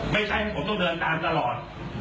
ไม่ใช่ผมต้องเดินตามตลอด